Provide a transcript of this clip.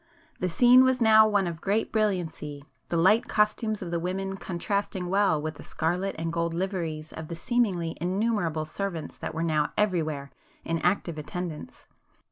The scene was now one of great brilliancy, the light costumes of the women contrasting well with the scarlet and gold liveries of the seemingly innumerable servants that were now everywhere in active attendance.